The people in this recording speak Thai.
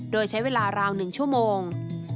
โดยใช้เวลาราว๑ชั่วโมง